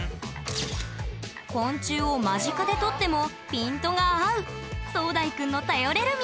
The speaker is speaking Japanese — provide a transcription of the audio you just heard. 昆虫を間近で撮ってもピントが合う壮大くんの頼れる味方。